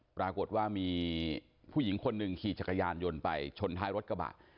ปรากฏว่ามีผู้หญิงคนหนึ่งขี่จักรยานยนต์ไปชนท้ายรถกระบะ